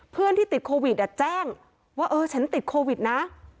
เพื่อนที่ติดโควิดแจ้งว่าเออฉันติดโควิดนะ